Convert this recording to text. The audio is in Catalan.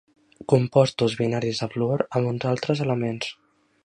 Compostos binaris de fluor amb uns altres elements.